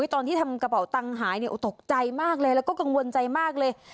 ตอนที่ทำกระเป๋าตังค์หายตกใจมากเลยแล้วก็กังวลใจมากเลย